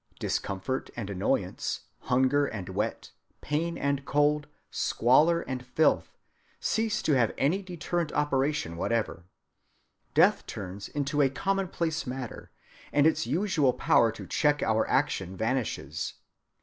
Discomfort and annoyance, hunger and wet, pain and cold, squalor and filth, cease to have any deterrent operation whatever. Death turns into a commonplace matter, and its usual power to check our action vanishes.